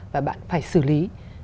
và bạn phải xử lý